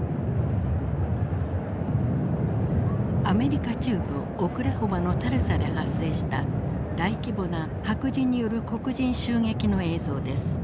アメリカ中部オクラホマのタルサで発生した大規模な白人による黒人襲撃の映像です。